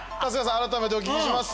改めてお聞きします。